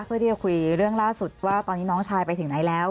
เพื่อที่จะคุยเรื่องล่าสุดว่าตอนนี้น้องชายไปถึงไหนแล้ว